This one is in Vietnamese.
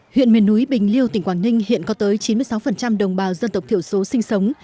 huyện miền núi bình liêu tỉnh quảng ninh hiện có tới chín mươi sáu đồng bào dân tộc thiểu số sinh sống